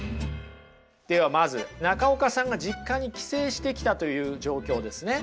ではまず中岡さんが実家に帰省してきたという状況ですね。